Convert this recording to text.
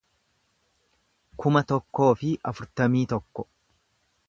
kuma tokkoo fi afurtamii tokko